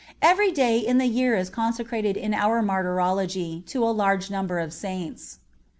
Every day in the year is consecrated in our Martyrology to a large number of Saints.